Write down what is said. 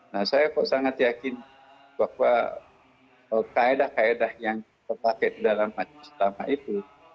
nah saya kok sangat yakin bahwa kaedah kaedah yang terpakai di dalam majelis ulama itu